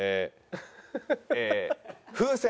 風船？